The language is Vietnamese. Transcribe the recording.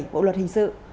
bộ luật hình sự